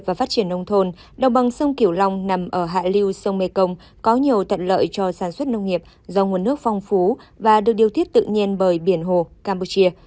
vùng sông kiểu long nằm ở hạ lưu sông mekong có nhiều tận lợi cho sản xuất nông nghiệp do nguồn nước phong phú và được điều thiết tự nhiên bởi biển hồ campuchia